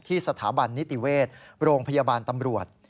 สถาบันนิติเวชโรงพยาบาลตำรวจ